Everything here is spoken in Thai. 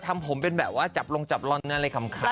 ทำผมเป็นแบบว่าจับลงจับลอนอะไรขำ